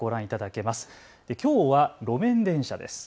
きょうは路面電車です。